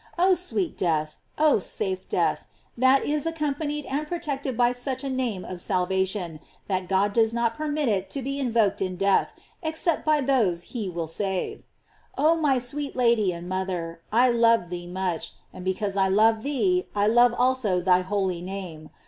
f Oh sweet death, oh safe death, that is accompanied and protected by such a name of salvation, that God does not permit it to be invoked in death, except by those whom he will save! Oh, my sweet Lady and mother, I love thee much, and because I love thee, I love also thy holy name.